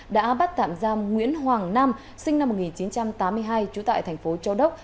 đã bắt tạm giam nguyễn hoàng nam sinh năm một nghìn chín trăm tám mươi hai trú tại thành phố châu đốc